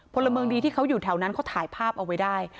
พลเมืองดีที่เขาอยู่แถวนั้นเขาถ่ายภาพเอาไว้ได้